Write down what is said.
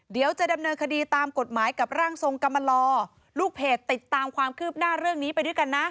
เดี๋ยวจะดำเนินคดีตามกฎหมายกับร่างทรงกรรมลอลูกเพจติดตามความคืบหน้าเรื่องนี้ไปด้วยกันนะ